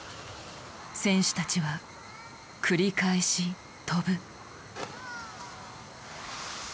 選手たちは繰り返し飛ぶ。